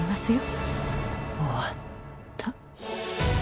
終わった。